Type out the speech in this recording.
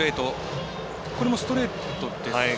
これもストレートですね。